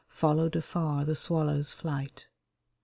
Followed afar the swallow's flight.